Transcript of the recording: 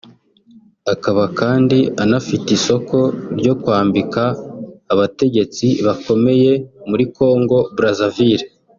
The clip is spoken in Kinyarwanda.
akaba kandi anafite isoko ryo kwambika abategetsi bakomeye muri Congo Brazzaville